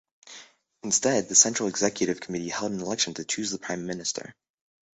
Instead, the Central Executive Committee held an election to choose the Prime Minister.